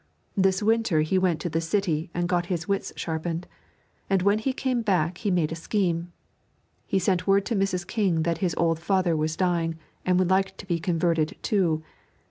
This winter he went to the city and got his wits sharpened, and when he came back he made a scheme. He sent word to Mrs. King that his old father was dying and would like to be converted too.